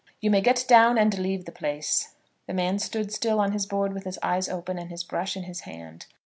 "You may get down, and leave the place." The man stood still on his board with his eyes open and his brush in his hand.